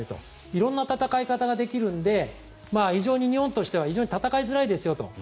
色んな戦い方ができるので非常に日本としては戦いづらいですよと。